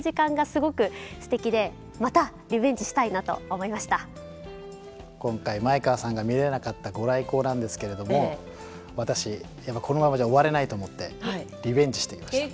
あのちょっとだけ今回前川さんが見れなかったご来光なんですけれども私このままじゃ終われないと思ってリベンジしてきました。